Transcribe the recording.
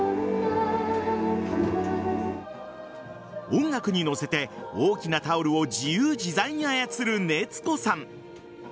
音楽に乗せて大きなタオルを自由自在に操る熱子さん。